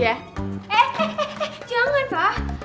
eh eh eh jangan fah